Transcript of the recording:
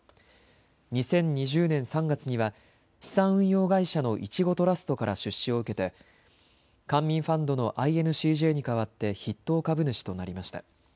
２０２０年３月には資産運用会社のいちごトラストから出資を受けて官民ファンドのＩＮＣＪにかわって筆頭株主となりました。